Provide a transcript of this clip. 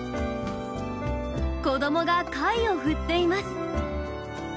子どもが貝を振っています。